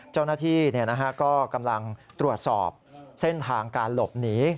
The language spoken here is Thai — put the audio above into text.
เจ้าหน้าที่ก็กำลังตรวจสอบเส้นทางการหลบหนี